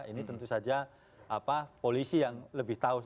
ini tentu saja polisi yang lebih tahu